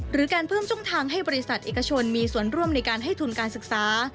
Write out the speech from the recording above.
การเพิ่มช่องทางให้บริษัทเอกชนมีส่วนร่วมในการให้ทุนการศึกษา